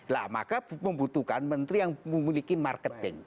lah maka membutuhkan menteri yang memiliki marketing